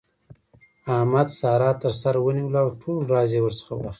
احمد؛ سارا تر سر ونيوله او ټول راز يې ورڅخه واخيست.